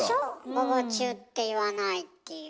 「午後中」って言わないっていう。